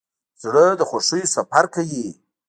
زړه د خوښیو سفر کوي.